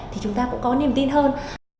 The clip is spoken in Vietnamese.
thì chúng ta cũng có niềm tin hơn